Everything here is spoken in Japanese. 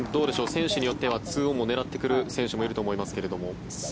選手によっては２オンを狙ってくる選手もいると思いますが。